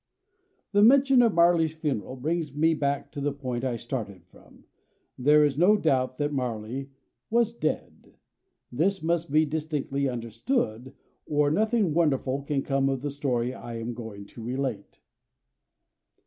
The mention of Marley's funeral brings me back to the point I started from. There is no doubt that Marley was dead. This must be distinctly understood, or nothing wonderful can come of the story I am going to relate.